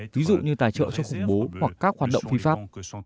ví dụ như tài trợ cho khủng bố hoặc các hoạt động phi pháp